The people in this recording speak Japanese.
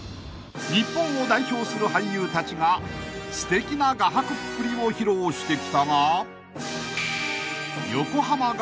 ［日本を代表する俳優たちがすてきな画伯っぷりを披露してきたが］